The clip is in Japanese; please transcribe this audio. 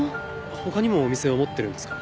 他にもお店を持ってるんですか？